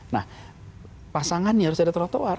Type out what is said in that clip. nah pasangannya harus ada trotoar